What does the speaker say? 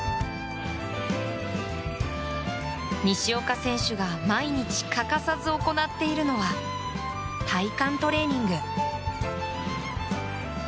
西岡選手が毎日欠かさず行っているのは体幹トレーニング。